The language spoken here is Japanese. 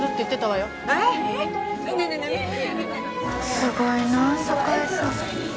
すごいな酒井さん